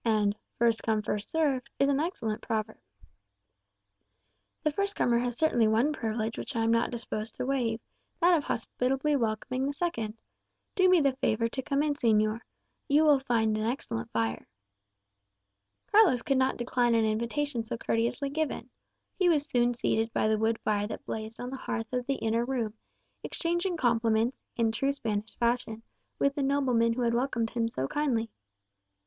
"And 'First come first served,' is an excellent proverb." "The first comer has certainly one privilege which I am not disposed to waive that of hospitably welcoming the second. Do me the favour to come in, señor. You will find an excellent fire." Carlos could not decline an invitation so courteously given. He was soon seated by the wood fire that blazed on the hearth of the inner room, exchanging compliments, in true Spanish fashion, with the nobleman who had welcomed him so kindly.